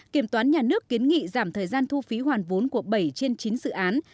kiểm toán nhà nước kiến nghị giảm thời gian thu phí hoàn vốn của bảy trên chín dự án